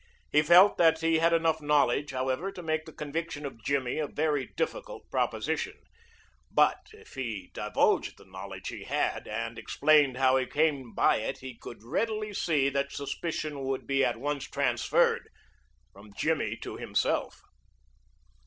He felt that he had enough knowledge, however, to make the conviction of Jimmy a very difficult proposition, but if he divulged the knowledge he had and explained how he came by it he could readily see that suspicion would be at once transferred from Jimmy to himself.